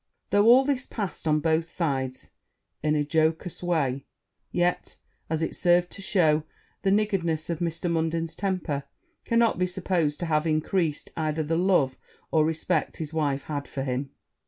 Though all this passed on both sides in a jocose way, yet, as it served to shew the niggardliness of Mr. Munden's temper, cannot be supposed to have increased either the love or respect his wife had for him.